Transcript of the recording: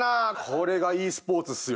これがｅスポーツっすよ。